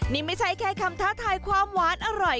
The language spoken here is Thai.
นี่ไม่ใช่แค่คำท้าทายความหวานอร่อย